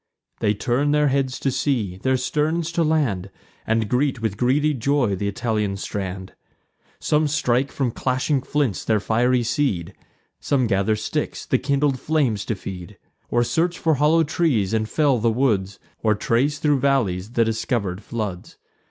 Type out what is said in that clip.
They turn their heads to sea, their sterns to land, And greet with greedy joy th' Italian strand. Some strike from clashing flints their fiery seed; Some gather sticks, the kindled flames to feed, Or search for hollow trees, and fell the woods, Or trace thro' valleys the discover'd floods.